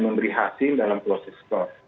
memberi hasil dalam proses